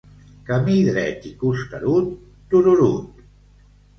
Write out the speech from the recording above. Camí dret i costerut, tururut!